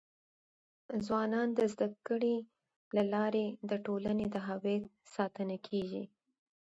ځوانان د زده کړي له لارې د ټولنې د هویت ساتنه کيږي.